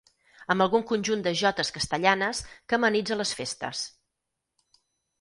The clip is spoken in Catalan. Amb algun conjunt de jotes castellanes que amenitza les festes.